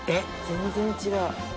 全然違う。